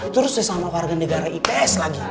terus sesama warga negara ips lagi